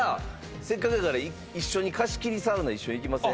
せっかくだから一緒に貸し切りサウナ行きません？